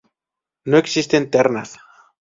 No existen ternas.